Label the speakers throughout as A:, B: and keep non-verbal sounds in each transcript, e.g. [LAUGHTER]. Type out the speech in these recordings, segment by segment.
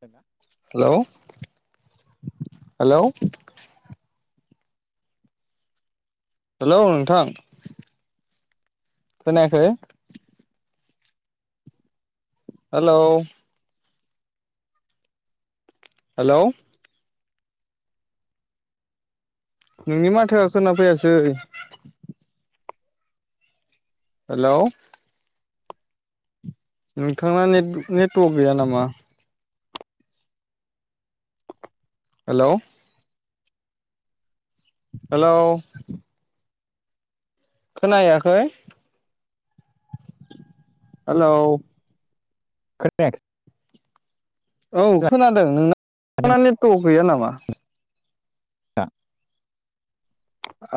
A: खोना
B: hello hello hello नोंथां। खोनायाखै? हेलौ हेलौ नोंनि माथोआ खोनाफैयासै। हेलौ नोंथाना नेट नेटवक गैया नामा? हेलौ हेलौ खोना हैयाखै हेलौ
A: खोनायाखै?
B: औ खोनादों
A: माथो
B: नोंना नेटवक गैया नामा?
A: आ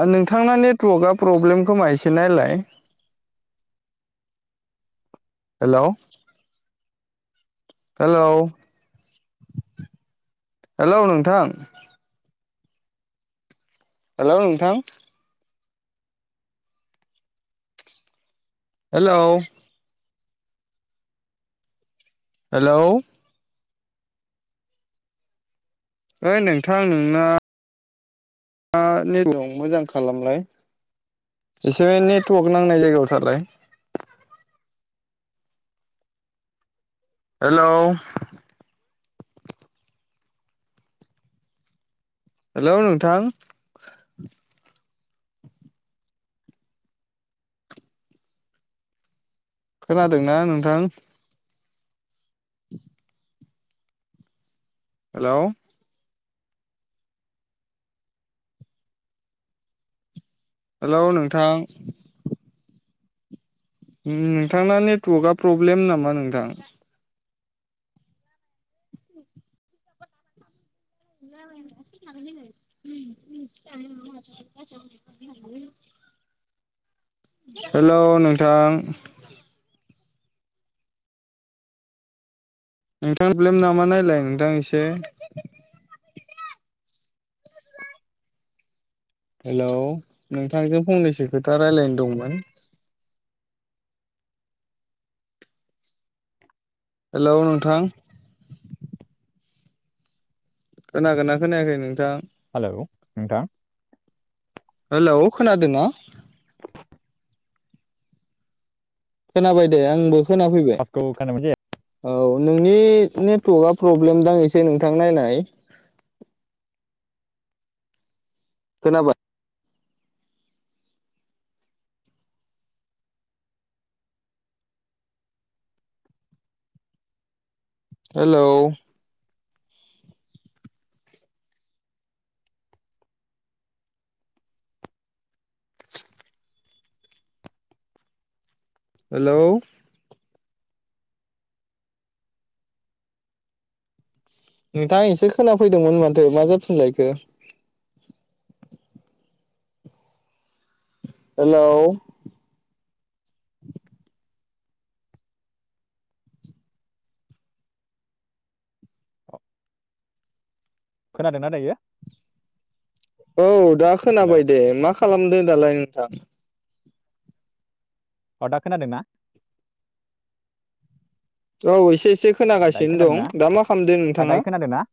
B: ओ नोंथांना नेटवर्कआ प्रब्लेम खोमा एसे नायलाय। हेलौ हेलौ हेलौ नोंथां? हेलौ नोंथां। हेलौ हेलौ ओइ नोंथां नोंना आ नेटदं मोजां खालामलाय। एसे नेटवक नांनाय जायगायाव थालाय। हेलौ हेलौ नोंथां। खोनादोंना नोंथां? हेलौ हेलौ नोंथां। उम नोंथांना नेटवकआ प्रब्लेम नामा नोंथां? [UNINTELLIGIBLE] हेलौ नोंथां। नोंथां ब्लेम नामा नायलाय नोंथां एसे हेलौ नोंथांजों फंनैसो खोथा रायलायनो दंमोन। हेलौ नोंथां। खोनागोना खोनायाखै नोंथां?
A: हालौ नोंथां।
B: हेलौ खोनादोना? खोनाबाय दे आंबो खोनाफैबाय।
A: आवाजखौ खोनादोंमोन जे
B: औ नोंनि नेटवकआ प्रब्लेम दां एसे नोंथां नायनाय। खोनाबाय हेलौ हेलौ नोंथां एसे खोनाफैदोंमोन माथो मा जाफिनलायखो? हेलौ
A: खोनादोना दायो।
B: औ दा
A: हेलौ
B: खोनाबाय दे मा खालामदो दालाय नोंथां?
A: अ दा खोनादों ना?
B: औ एसे एसे
A: दायो
B: खोनागासिनो दं
A: खोनादोंना
B: दा मा खालामदो नोंथाङा?
A: दायो खोनादोंना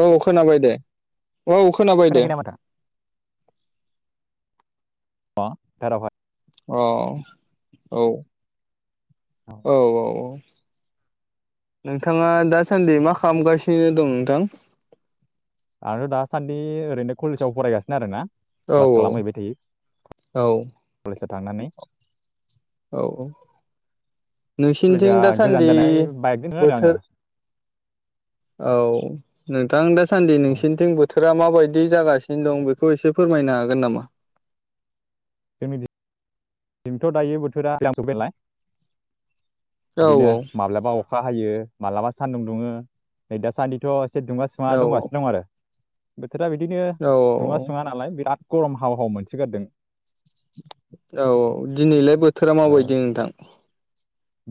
B: औ खोनाबाय दे औ खोनाबाय दे
A: खोनायाखै नामाथाय [UNINTELLIGIBLE] अ दाराफाय
B: अ औ औ औ नोंथाङा दासान्दै मा खामगासिनो दं नोंथां?
A: आंथ' दा सान्दि ओरैनो कलेजाव फरायगासिनो आरोना।
B: औ
A: क्लास खालामहैबाय थायो
B: औ
A: कलेजाव थांनानै।
B: औ औ
A: कलेजा
B: नोंसिनिथिं
A: गोजान
B: दासान्दि
A: जानाय बाइकजों थाङो आरो आङो
B: बोथोर औ नोंथां दा सान्दि
A: ओ,
B: नोंसिनिथिं बोथो रा माबायदि जागासिनो दं बेखौ एसे फोरमायनो हागोन नामा?
A: [UNINTELLIGIBLE] जोंनिथिं दायो बोथोरा [UNINTELLIGIBLE] बिदिनो
B: औ
A: माब्लाबा अ अखा हायो मालाबा सान्दुं दुङो नै दा सान्दिथ' एसे दुङा
B: औ
A: सुङा दंगासिनो दं आरो। बोथोरा बिदिनो
B: औ
A: दुङा सुङा नालाय बिराद गरम हाव हाव मोनसोगारदों।
B: औ औ दिनैलाय बोथोरा
A: ओ,
B: माबायदि नोंथां?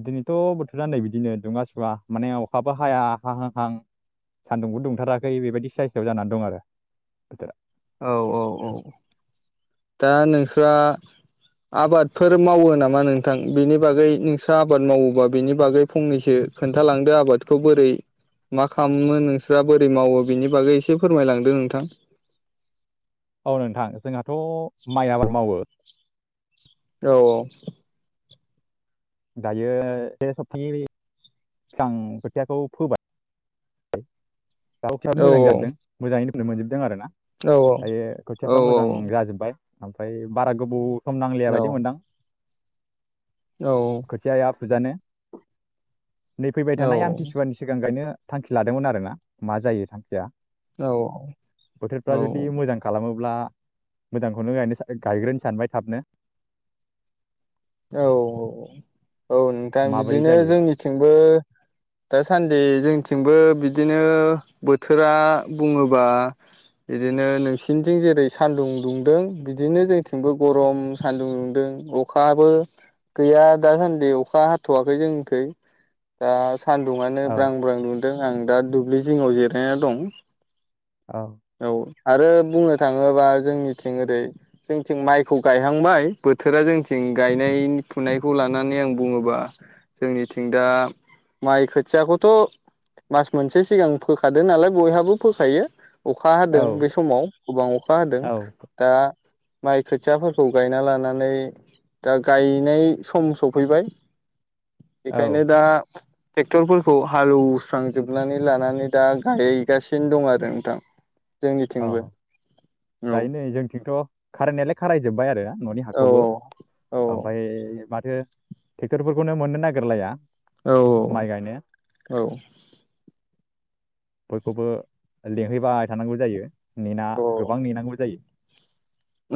A: दिनैथ' बोथोरा नै बिदिनो दुङा सुङा माने अखाबो हाया हाहां हां सान्दुंबो दुंथाराखै बेबायदि सायसायाव जानानै दं आरो बोथोरा
B: औ औ औ दा नोंस्रा आबादफोर मावो नामा नोंथां? बेनि बागै नोंस्रा आबाद मावोबा बेनि बागै फंनैसो खोन्थालांदो आबादखौ बोरै मा खामो नोंसोरा बोरै मावो बिनि बागै एसे फोरमायलांदो नोंथां।
A: औ नोंथां जोंहाथ' माइ आबाद मावो
B: औ औ
A: दायो [UNINTELLIGIBLE] सिगां खोथियाखौ फोबाय [UNINTELLIGIBLE] दा खोथियाबो
B: औ
A: मोजां जादों मोजाङैनो फोनो मोनजोबदों आरो ना
B: औ
A: दायो
B: औ
A: खोथियाफ्रा मोजां जाजोबबाय। ओमफ्राय बारा गोबाव सम नांलिया
B: औ
A: बायदि मोनदां।
B: औ
A: खोथियाया फुजानो नै फैबाय थानाय आमथिसुवानि सिगां गायनो थांखि लादोंमोन आरोना मा जायो थांखिया
B: औ
A: बोथोरा जुदि मोजां खालामोब्ला मोजांखौनो गायनो सा गायग्रोनो सानबाय थाबनो
B: औ औ औ औ नोंथां
A: माबोरै
B: बिदिनो
A: जायो
B: जोंनिथिंबो दा सान्दि जोंथिंबो बिदिनो बोथोरा बुङोबा बिदिनो नोंसिनिथिं जेरै सानदुं दुंदों बिदिनो जोंथिंबो गरम सान्दुं दुंदों अखा बो गैया दा सान्दि अखा हाथ'वाखै जोंनिखै दा सान्दुङानो
A: औ
B: ब्रां ब्रां दुंदों आं दा दुब्लि जिङाव जिरायना दं
A: औ
B: औ आरो बुंनो थाङोबा जोंनिथिं ओरै जोंथिं माइखौ गायहांबाय बोथोरा जोंथिं गायनाय फुनायखौ लानानै आं बुङोबा जोंनिथिं दा माइ खोथियाखौथ' मास मोनसे सिगां फोखादो नालाय बयहाबो फोखायो। अखा हादों
A: औ
B: बे समाव गोबां अखा हादों।
A: औ
B: दा माइ खोथियाफोरखौ गायना लानानै दा गायनाय सम सफैबाय बेखायनो
A: औ
B: दा ट्रेक्टरफोरखौ हालौवस्रांजोबनानै लानानै दा गायगासिनो दं आरो नोंथां।
A: औ
B: बिथिंबो
A: दायो नै जोंथिंथ' खारायनायालाय खारायजोबबाय आरो न'नि
B: औ
A: हाखौबो
B: औ
A: ओमफाय माथो ट्रेक्टरफोरखौनो मोननो नागिरलाया।
B: औ
A: माइ गायनो
B: औ औ
A: बयखौबो लेंहैबाय थानांगौ जायो नेना गोबां नेनांगौ जायो।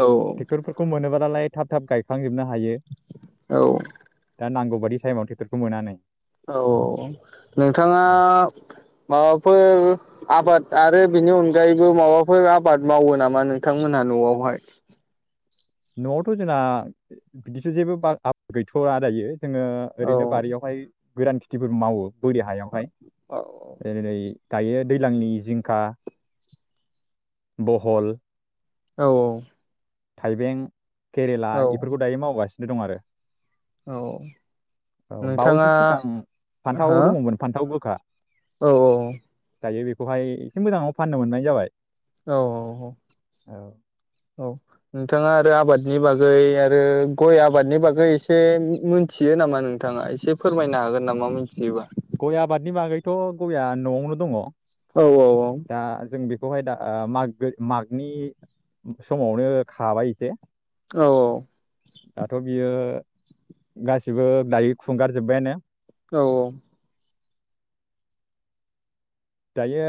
B: औ
A: ट्रेक्टरफोरखौ मोनोबालालाय थाब थाब गायखांजोबनो हायो।
B: औ
A: दा नांगौबादि टाइमाव ट्रेक्टरखौ मोननानो।
B: औ नोंथाङा माबाफोर आबाद आरो बेनि अनगायैबो माबाफोर आबाद मावो नामा नोंथांमोनहा न'आवहाय?
A: न'आवथ' जोंना बिदिथ' जेबो आबाद गैथ'आ दायो जोङो
B: औ
A: ओरैनो बारियावहाय गरान खेथिफोर मावो बोरि हायावहाय
B: औ
A: [UNINTELLIGIBLE] दायो दैज्लांनि जिंखा बहल
B: औ
A: थाइबें केरेला
B: औ
A: इफोरखौ दायो मावगासिनो दं आरो।
B: औ
A: औ बावैसो
B: नोंथाङा
A: सिगां फान्थाव
B: हो
A: दङमोन फान्थाव गोखा।
B: औ
A: दायो बेखौहाय एसे मोजाङाव फाननो मोननाय जाबाय।
B: औ औ
A: औ
B: औ नोंथाङा आरो आबादनि बागै आरो गय आबादनि बागै एसे मोनथियो नामा नोंथाङा? एसे फोरमायनो हागोन नामा मिथियोबा?
A: गय आबादनि बागैथ' गयआ न'आवनो दङ।
B: औ औ औ
A: दा जों बेखौहाय दा माग मागनि समावनो खाबाय एसे।
B: औ औ।
A: दाथ' बियो गासैबो दायो खुंगार जोबबायानो।
B: औ औ।
A: दायो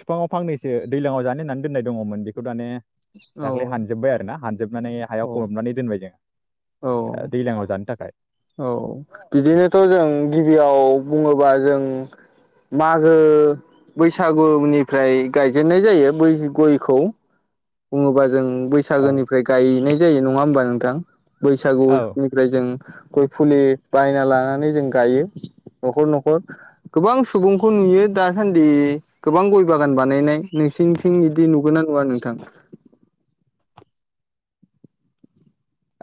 A: बिफाङाव फांनैसो दैज्लाङाव जानो होननानै दोननाय दङमोन बेखौ दाने दाख्लै
B: औ
A: हानजोबबाय आरो ना हानजोबनानै हायाव खमबनानै दोनबाय जोङो।
B: औ
A: दा दैलाङाव जानो थाखाय।
B: औ बिदिनोथ' जों गिबियाव बुङोबा जों मागो बैसागुनिफ्राय गायजेननाय जायो बै गयखौ। बुङोबा जों
A: औ
B: बैसागोनिफ्राय गायनाय जायो नङा होमबा नोंथां बैसागु
A: औ
B: ओमफ्राय जों गय फुलि बायना लानानै जों गायो न'खर न'खर। गोबां सुबुंखौ नुयो दासान्दि गोबां गय बागान बानायनाय नोंसिनिथिं बिदि नुगोन ना नुवा नोंथां?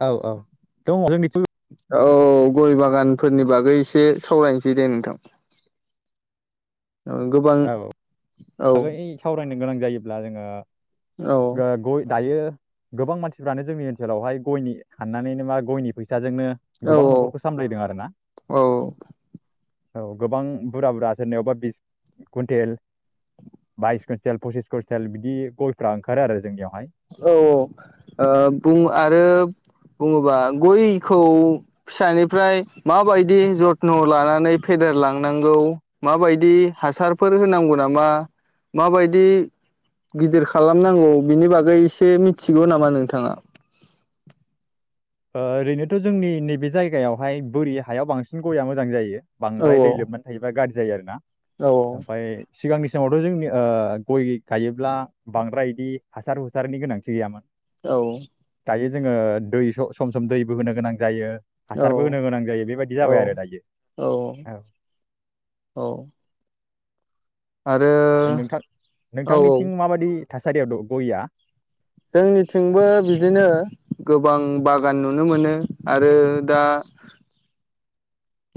A: औ औ दङ जोंनिथिं
B: औ गय बागानफोरनि बागै एसे सावरायनोसै दे नोंथां। [INAUDIBLE]
A: औ
B: औ
A: [INAUDIBLE] आगै सावरायनो गोनां जायोब्ला जोङो
B: औ
A: गो गय दायो गोबां मानसिफ्रानो जोंनि ओनसोलावहाय गयनि हाननानैनो मा गयनि फैसाजोंनो
B: औ
A: गोबां न'खरखौ सामलायदों आरो ना।
B: औ
A: औ गोबां बुरजा बुरजा सोरनियावबा बिस कुइन्टेल बाइस कुइन्टेल पसिस कुइन्टेल बिदि गयफ्रा ओंखारो आरो जोंनियावहाय।
B: औ औ ओ बुं आरो बुङोबा गयखौ फिसानिफ्राय माबायदि जथ्न' लानानै फेदेरलांनांगौ माबायदि हासारफोर होनांगौ नामा, माबायदि गिदिर खालामनांगौ बिनि बागै एसे मिथिगौ नामा नोंथाङा?
A: ओ ओरैनोथ' जोंनि नैबे जायगायावहाय बोरि हायाव बांसिन गया मोजां जायो।
B: औ
A: बांद्राय दै लोबनानै थायोबा गाज्रि जायो आरोना।
B: औ
A: ओमफाय सिगांनि समावथ' जोंनि ओ गय गायोब्ला बांद्राय इदि हासार हुसारनि गोनांथि गैयामोन।
B: औ।
A: दायो जोङो दै स-सम सम दैबो होनो गोनां जायो। हासारबो
B: औ
A: होनो गोनां जायो बेबायदि जाबाय
B: औ
A: आरो दायो
B: औ
A: औ।
B: औ। आरो
A: नोंथां
B: औ औ
A: नोंथांनिथिं माबादि थासारियाव द' गया?
B: जोंनिथिंबो बिदिनो गोबां बागान नुनो मोनो आरो दा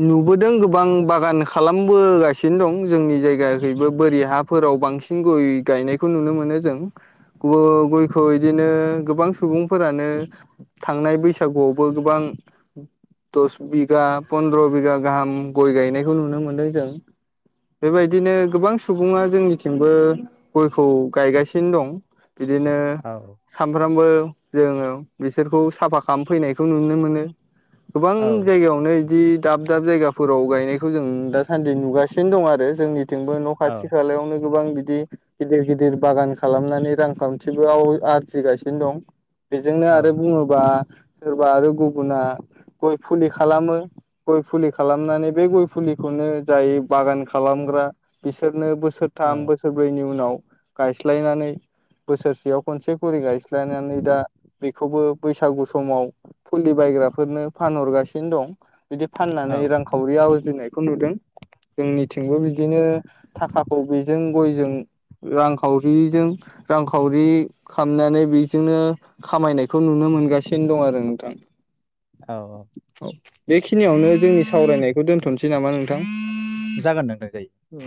B: नुबोदों गोबां बागान खालामबोगासिनो दं जोंनि जायगाखैबो बोरि हा फोराव बांसिन गय गायनायखौ नुनो मोनो जों। गु गयखौ इदिनो गोबां सुबुंफोरानो थांनाय बैसागुआवबो गोबां दस बिगा फन्द्र' बिगा गाहाम गय गायनायखौ नुनो मोन्दों जों। बेबायदिनो गोबां सुबुङा जोंनिथिंबो गयखौ गायगासिनो दं। बिदिनो
A: औ
B: सानफ्रामबो जोङो बिसोरखौ साफा खामफैनायखौ नुनो मोनो। गोबां
A: औ
B: जायगायावनो इदि दाब दाब जायगाफोराव गायनायखौ जों दासान्दि नुगासिनो दं आरो जोंनि थिंबो न'
A: औ
B: खाथि खालायावनो गोबां बिदि गिदिर गिदिर बागान खालामनानै रांखान्थिबोआव आरजिगासिनो दं। बेजोंनो
A: औ
B: आरो बुङोबा सोरबा आरो गुबुना गय फुलि खालामो। गय फुलि खालामनानै बे गय फुलिखौनो जाय बागान खालामग्रा बिसोरनो बोसोर
A: औ
B: थाम बोसोरब्रैनि उनाव गायस्लायनानै बोसोरसेयाव खनसे खरि गायस्लायनानै दा बेखौबो बैसागु समाव फुलि बायग्राफोरनो फानहरगासिनो दं। बिदि फाननानै
A: औ
B: रांखावरि आवज्रिनायखौ नुदों। जोंनिथिंबो बिदिनो थाखाखौ बेजों गयजों रांखावरिजों रांखावरि खामनानै बिजोंनो खामायनायखौ नुनो मोनगासिनो दं आरो नोंथां।
A: औ औ
B: औ बेखिनियावनो जोंनि सावरायनायखौ दोनथ'सै नामा नोंथां?
A: जागोन नोंथां जायो
B: ओ